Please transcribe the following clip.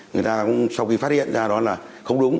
người ta sau khi phát hiện ra đó là không đúng